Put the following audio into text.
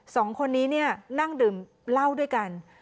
สองคนนี้เนี่ยนั่งดื่มเหล้าด้วยกัน